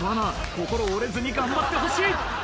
心折れずに頑張ってほしい。